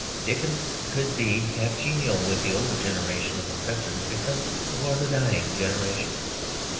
Dickens could be half genial with the older generation of oppressors because it was a dying generation.